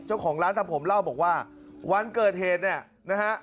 เจ้าของร้านทำผมเล่าบอกว่าวันเกิดเหตุเนี่ยนะฮะ